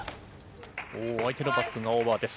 相手のバックがオーバーです。